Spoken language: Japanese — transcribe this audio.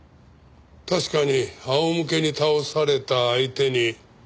確かに仰向けに倒された相手に。